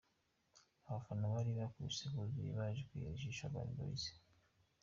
Abafana bari bakubise buzuye baje kwihera ijisho Urban Boyz.